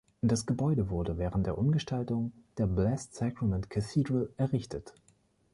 Das Gebäude wurde während der Umgestaltung der Blessed Sacrament Cathedral errichtet.